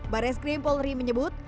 baris krim polri menyebut